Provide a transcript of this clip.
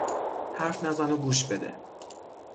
حرف نزن و گوش بده!